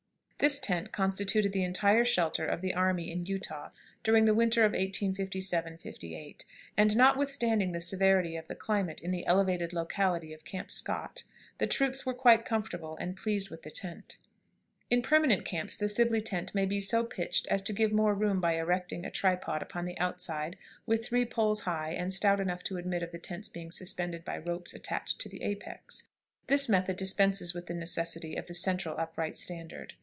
[Illustration: THE SIBLEY TENT.] This tent constituted the entire shelter of the army in Utah during the winter of 1857 8, and, notwithstanding the severity of the climate in the elevated locality of Camp Scott, the troops were quite comfortable, and pleased with the tent. In permanent camps the Sibley tent may be so pitched as to give more room by erecting a tripod upon the outside with three poles high and stout enough to admit of the tent's being suspended by ropes attached to the apex. This method dispenses with the necessity of the central upright standard.